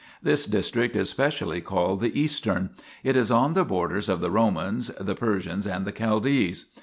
4 This district is specially called the Eastern ; it is on the borders of the Romans, the Persians and the Chaldees."